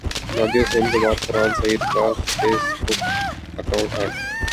Nadia Hussain کے بعد فرحان سعید کا فیس بک اکانٹ ہیک